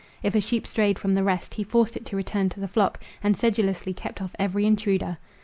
If a sheep strayed from the rest, he forced it to return to the flock, and sedulously kept off every intruder.